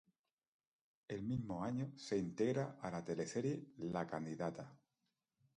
El mismo año se integra a la teleserie "La candidata".